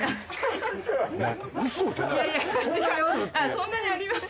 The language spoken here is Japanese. そんなにあります？